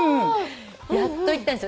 やっと行ったんですよ。